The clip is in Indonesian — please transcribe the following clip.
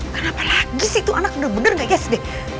kenapa lagi sih tuh anak bener bener gak yes deh